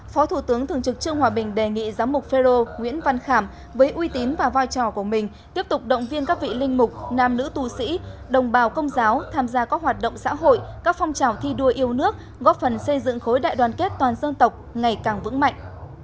phó thủ tướng thường trực trương hòa bình đề nghị giám mục phê rô nguyễn văn khảm với uy tín và vai trò của mình tiếp tục động viên các vị linh mục nam nữ tu sĩ đồng bào công giáo tham gia các hoạt động xã hội các phong trào thi đua yêu nước góp phần xây dựng khối đại đoàn kết toàn dân tộc ngày càng vững mạnh